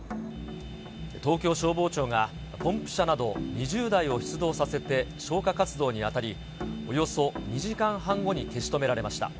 東京消防庁がポンプ車など２０台を出動させて消火活動に当たり、およそ２時間半後に消し止められました。